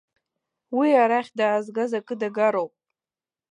Уи арахь даазгаз акы дагароуп.